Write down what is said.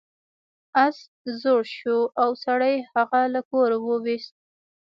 اس زوړ شو او سړي هغه له کوره وویست.